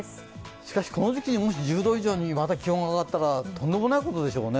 しかしこの時期に１０度以上にまた気温が上がったらとんでもないことですよね